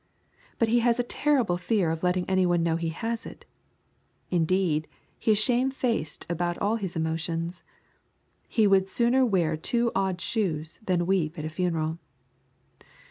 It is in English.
But he has a terrible fear of letting anyone know he has it. Indeed, he is shamefaced about all his emotions. He would sooner wear two odd shoes than weep at a funeral.